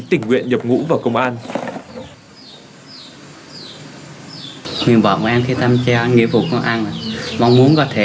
tình nguyện nhập ngũ vào công an nguyện vọng của em khi tham gia nhiệm vụ công an là mong muốn có thể